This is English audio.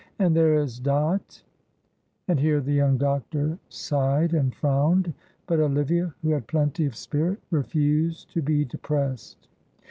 And there is Dot " And here the young doctor sighed and frowned, but Olivia, who had plenty of spirit, refused to be depressed.